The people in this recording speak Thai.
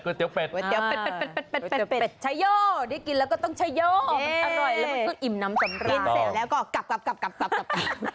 ก๋วยเตี๋ยวเป็ด